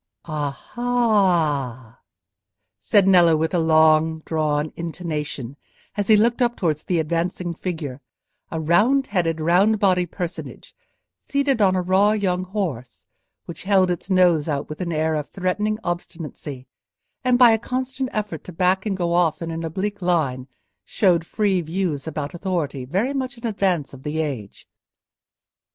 "A–ah!" said Nello, with a low long drawn intonation, as he looked up towards the advancing figure—a round headed, round bodied personage, seated on a raw young horse, which held its nose out with an air of threatening obstinacy, and by a constant effort to back and go off in an oblique line showed free views about authority very much in advance of the age.